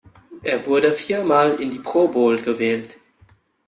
Er wurde viermal in die Pro Bowl gewählt.